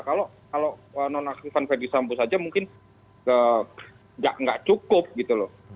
kalau non aktifan fadil sambus aja mungkin nggak cukup gitu loh